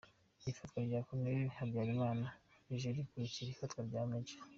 Ifatwa rya Col Habyarimana rije rikurikira ifatwa rya Maj.